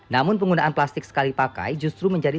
namun penggunaan plastik sekali pakai justru menjadi